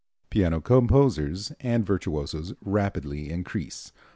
Piano composers and virtuosos rapidly increase.